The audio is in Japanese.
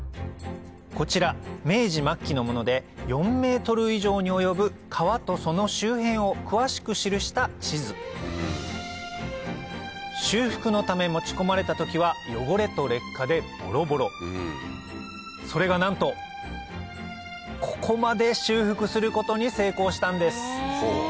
こちら明治末期のもので４ｍ以上に及ぶ川とその周辺を詳しく記した地図修復のため持ち込まれた時は汚れと劣化でボロボロそれがなんとここまで修復することに成功したんです